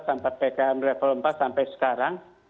sampai ppkm level empat sampai sekarang